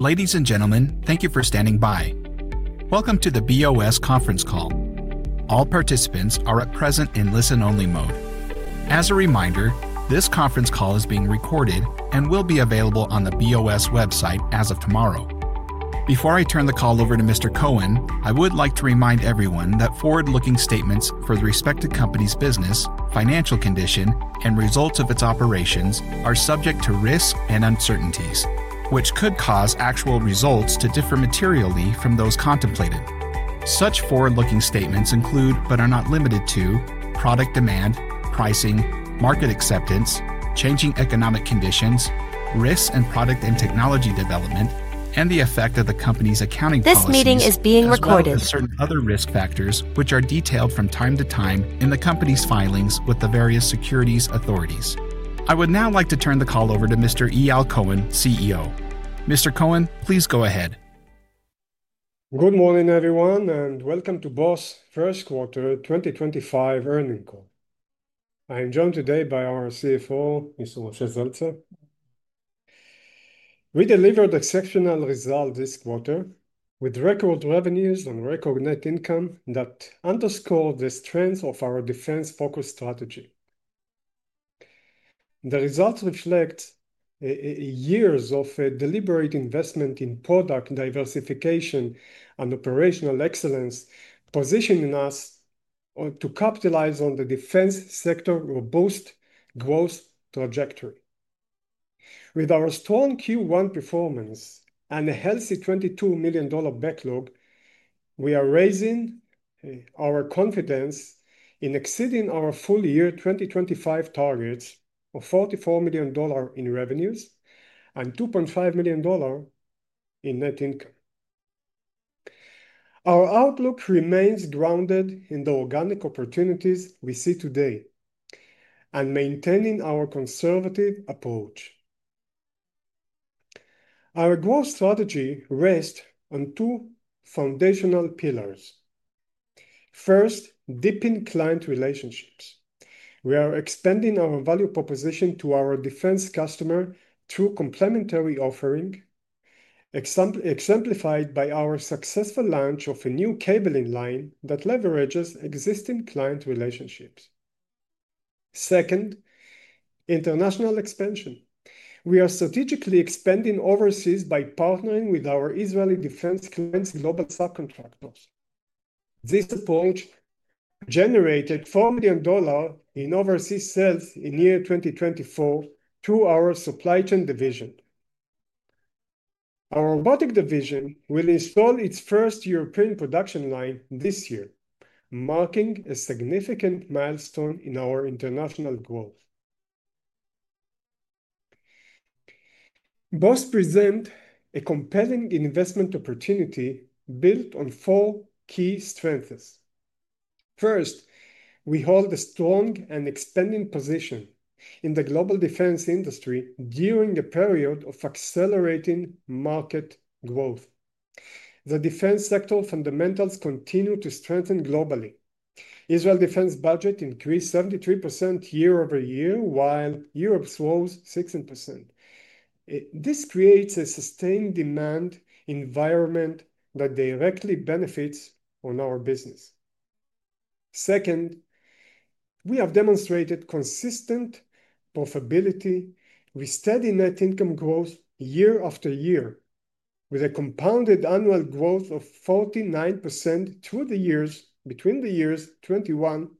Ladies and gentlemen, thank you for standing by. Welcome to the B.O.S. Conference Call. All participants are present in listen-only mode. As a reminder, this conference call is being recorded and will be available on the B.O.S. website as of tomorrow. Before I turn the call over to Mr. Cohen, I would like to remind everyone that forward-looking statements for the respective company's business, financial condition, and results of its operations are subject to risk and uncertainties, which could cause actual results to differ materially from those contemplated. Such forward-looking statements include, but are not limited to, product demand, pricing, market acceptance, changing economic conditions, risks in product and technology development, and the effect of the company's accounting policy. This meeting is being recorded. Certain other risk factors, which are detailed from time to time in the company's filings with the various securities authorities. I would now like to turn the call over to Mr. Eyal Cohen, CEO, Mr. Cohen, please go ahead. Good morning, everyone, and welcome to B.O.S. First Quarter 2025 Earning Call. I am joined today by our CFO, Mr. Moshe Zelter. We delivered exceptional results this quarter with record revenues and record net income that underscore the strength of our defense-focused strategy. The results reflect years of deliberate investment in product diversification and operational excellence, positioning us to capitalize on the defense sector's robust growth trajectory. With our strong Q1 performance and a healthy $22 million backlog, we are raising our confidence in exceeding our full-year 2025 targets of $44 million in revenues and $2.5 million in net income. Our outlook remains grounded in the organic opportunities we see today and maintaining our conservative approach. Our growth strategy rests on two foundational pillars. First, deepened client relationships. We are expanding our value proposition to our defense customer through complementary offering, exemplified by our successful launch of a new cabling line that leverages existing client relationships. Second, international expansion. We are strategically expanding overseas by partnering with our Israeli defense clients' global subcontractors. This approach generated $4 million in overseas sales in year 2024 through our Supply Chain Division. Our Robotic Division will install its first European Production Line this year, marking a significant milestone in our international growth. B.O.S. presents a compelling investment opportunity built on four key strengths. First, we hold a strong and expanding position in the global defense industry during a period of accelerating market growth. The defense sector fundamentals continue to strengthen globally. Israel's defense budget increased 73% year-over-year, while Europe's rose 16%. This creates a sustained demand environment that directly benefits our business. Second, we have demonstrated consistent profitability with steady net income growth year after year, with a compounded annual growth of 49% through the years between the years 2021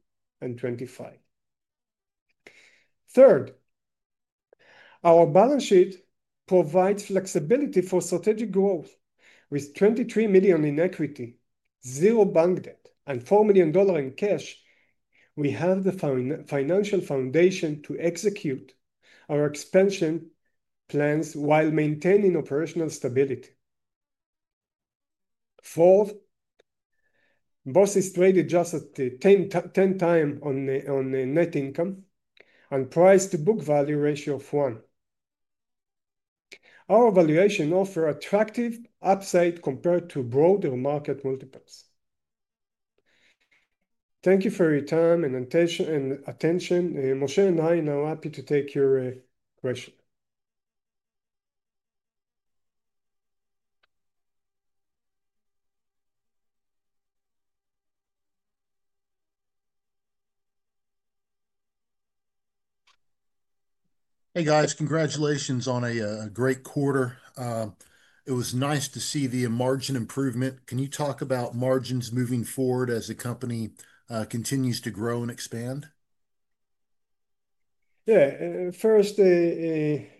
and 2025. Third, our balance sheet provides flexibility for strategic growth. With $23 million in equity, zero bank debt, and $4 million in cash, we have the financial foundation to execute our expansion plans while maintaining operational stability. Fourth, B.O.S. is traded just at 10 times on net income and price-to-book value ratio of one. Our valuation offers attractive upside compared to broader market multiples. Thank you for your time and attention. Moshe and I are now happy to take your question. Hey, guys. Congratulations on a great quarter. It was nice to see the margin improvement. Can you talk about margins moving forward as the company continues to grow and expand? Yeah. First, the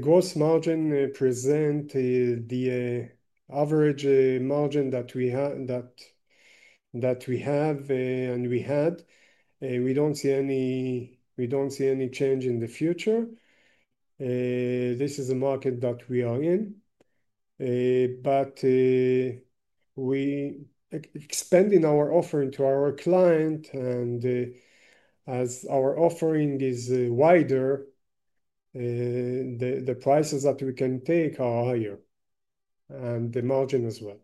gross margin presents the average margin that we have and we had. We do not see any change in the future. This is a market that we are in. We are expanding our offering to our client, and as our offering is wider, the prices that we can take are higher and the margin as well.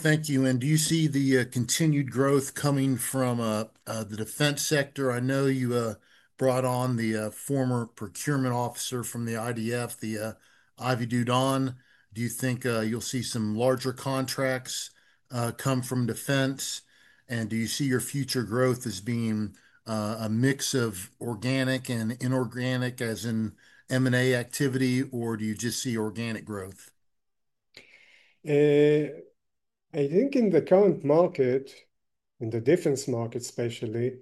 Thank you. Do you see the continued growth coming from the defense sector? I know you brought on the former procurement officer from the IDF, Ivy Dudan. Do you think you'll see some larger contracts come from defense? Do you see your future growth as being a mix of organic and inorganic, as in M&A activity, or do you just see organic growth? I think in the current market, in the defense market especially,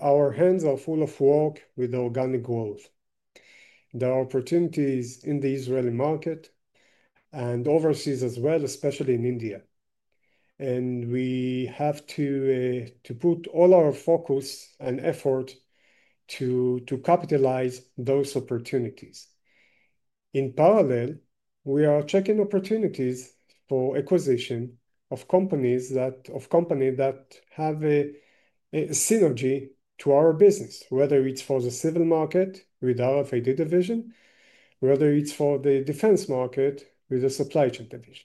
our hands are full of work with organic growth. There are opportunities in the Israeli market and overseas as well, especially in India. We have to put all our focus and effort to capitalize on those opportunities. In parallel, we are checking opportunities for acquisition of companies that have a synergy to our business, whether it's for the civil market with the RFID Division, whether it's for the defense market with the Supply Chain Division.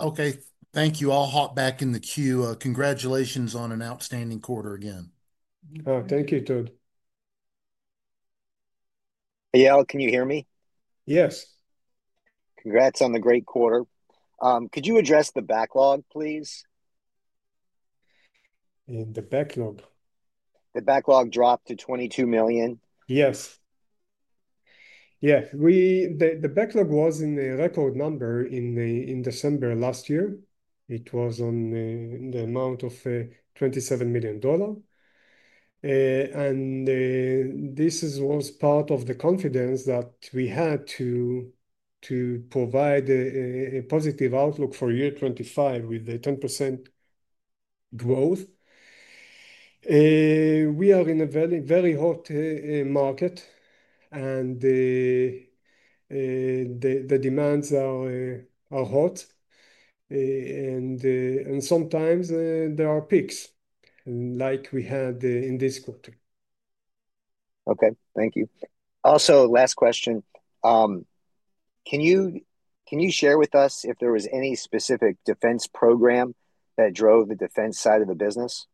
Okay. Thank you. I'll hop back in the queue. Congratulations on an outstanding quarter again. Thank you, Todd. Eyal, can you hear me? Yes. Congrats on the great quarter. Could you address the backlog, please? The backlog? The backlog dropped to $22 million. Yes. Yeah. The backlog was in a record number in December last year. It was on the amount of $27 million. This was part of the confidence that we had to provide a positive outlook for year 2025 with a 10% growth. We are in a very hot market, and the demands are hot. Sometimes there are peaks, like we had in this quarter. Okay. Thank you. Also, last question. Can you share with us if there was any specific defense program that drove the defense side of the business,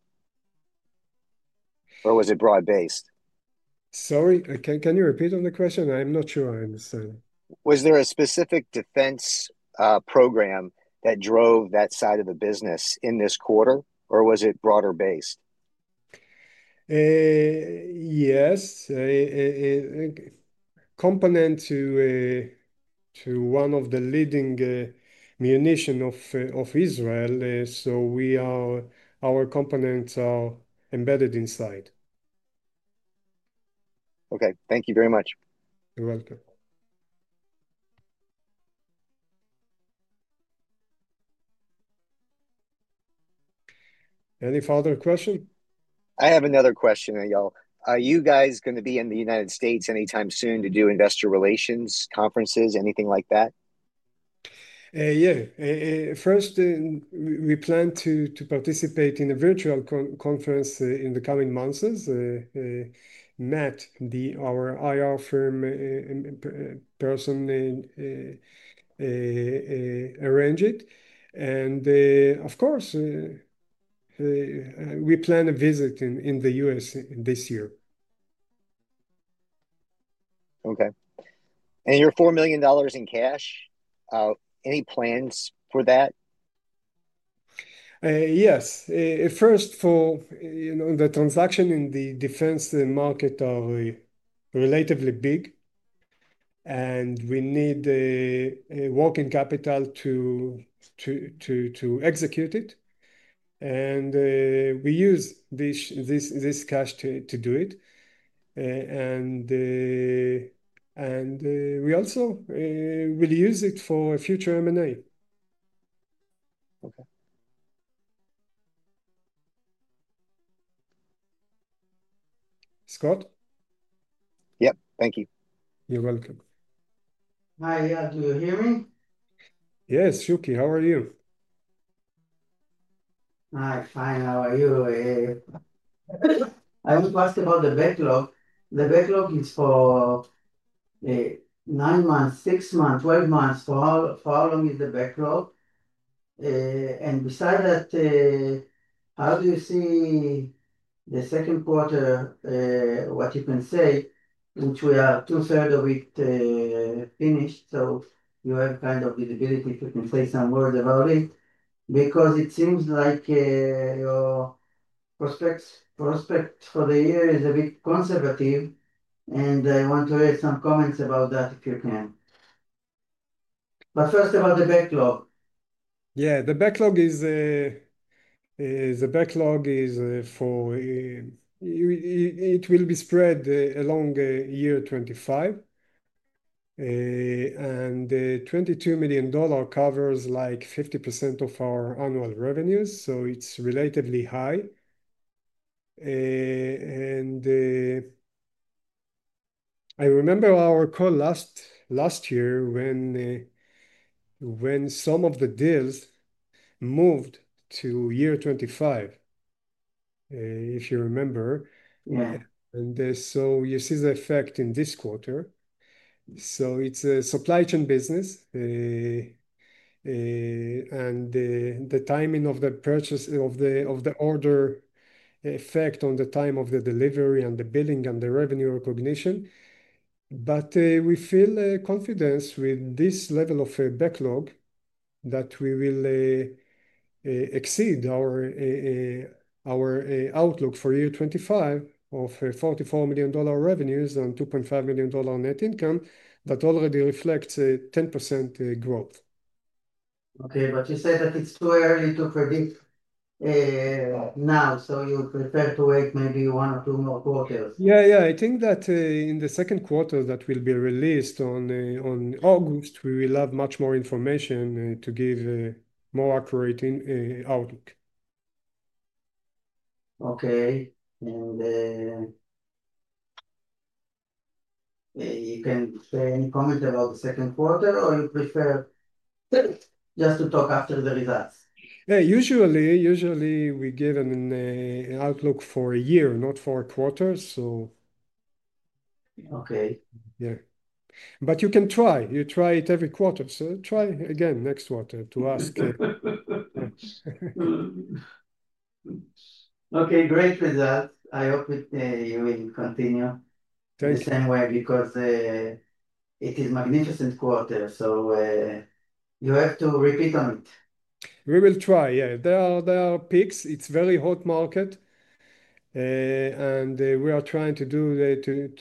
or was it broad-based? Sorry, can you repeat the question? I'm not sure I understand. Was there a specific defense program that drove that side of the business in this quarter, or was it broader-based? Yes. Component to one of the leading munitions of Israel. Our components are embedded inside. Okay. Thank you very much. You're welcome. Any further questions? I have another question, Eyal. Are you guys going to be in the United States anytime soon to do investor relations conferences, anything like that? Yeah. First, we plan to participate in a virtual conference in the coming months. Matt, our IR firm person, arranged it. Of course, we plan a visit in the U.S. this year. Okay. Your $4 million in cash, any plans for that? Yes. First, the transaction in the defense market is relatively big, and we need working capital to execute it. We use this cash to do it. We also will use it for a future M&A. Okay. Scott? Yep. Thank you. You're welcome. Hi. Eyal, do you hear me? Yes. Shuki, how are you? I'm fine. How are you? I want to ask about the backlog. The backlog is for nine months, six months, 12 months. For how long is the backlog? Besides that, how do you see the second quarter, what you can say, which we are two-thirds of it finished? You have kind of visibility if you can say some words about it, because it seems like your prospect for the year is a bit conservative. I want to hear some comments about that if you can. First, about the backlog. Yeah. The backlog is for it will be spread along year 2025. And the $22 million covers like 50% of our annual revenues, so it's relatively high. I remember our call last year when some of the deals moved to year 2025, if you remember. You see the effect in this quarter. It's a supply chain business. The timing of the purchase of the order affects the time of the delivery and the billing and the revenue recognition. We feel confident with this level of backlog that we will exceed our outlook for year 2025 of $44 million revenues and $2.5 million net income that already reflects a 10% growth. Okay. You said that it's too early to predict now, so you prefer to wait maybe one or two more quarters. Yeah, yeah. I think that in the second quarter that will be released in August, we will have much more information to give a more accurate outlook. Okay. And you can say any comment about the second quarter, or you prefer just to talk after the results? Yeah. Usually, we give an outlook for a year, not for a quarter, so. Okay. Yeah. You can try. You try it every quarter. Try again next quarter to ask. Okay. Great result. I hope you will continue the same way because it is a magnificent quarter. You have to repeat on it. We will try. Yeah. There are peaks. It's a very hot market. We are trying to do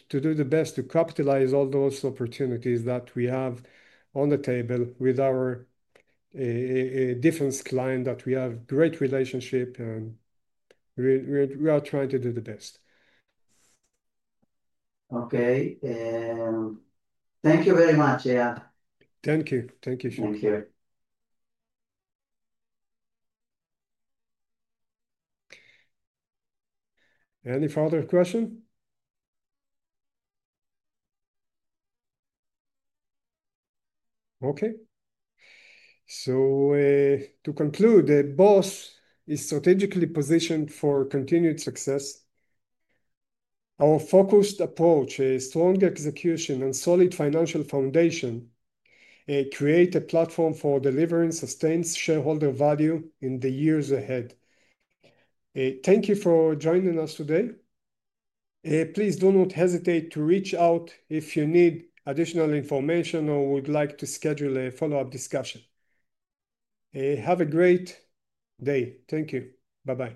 the best to capitalize all those opportunities that we have on the table with our defense client that we have a great relationship. We are trying to do the best. Okay. Thank you very much, Eyal. Thank you. Thank you, Shuki. Thank you. Any further questions? Okay. To conclude, B.O.S. is strategically positioned for continued success. Our focused approach, strong execution, and solid financial foundation create a platform for delivering sustained shareholder value in the years ahead. Thank you for joining us today. Please do not hesitate to reach out if you need additional information or would like to schedule a follow-up discussion. Have a great day. Thank you. Bye-bye.